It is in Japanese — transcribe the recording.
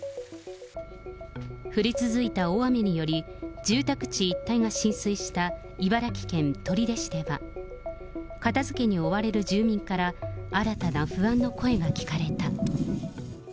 降り続いた大雨により、住宅地一帯が浸水した茨城県取手市では、片づけに追われる住人から新たな不安の声が聞かれた。